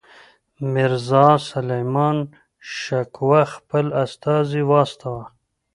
میرزاسلیمان شکوه خپل استازی واستاوه.